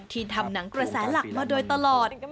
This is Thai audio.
ทำหนังกระแสหลักมาโดยตลอด